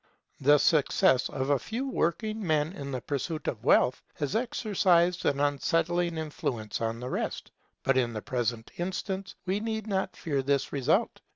The success of a few working men in the pursuit of wealth has exercised an unsettling influence on the rest; but in the present instance we need not fear this result.